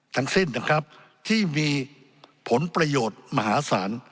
ทั้งสิ้นนะครับที่มีผลประโยชน์มหาศาล